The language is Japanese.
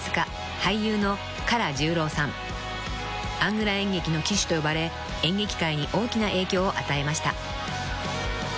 ［アングラ演劇の旗手と呼ばれ演劇界に大きな影響を与えました］